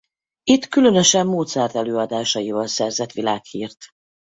Itt különösen Mozart-előadásaival szerzett világhírt.